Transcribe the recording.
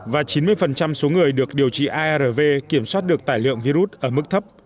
và chín mươi số người được điều trị arv kiểm soát được tải lượng virus ở mức thấp